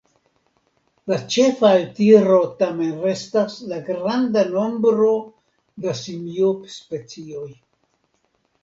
La ĉefa altiro tamen restas la granda nombro da simiospecioj.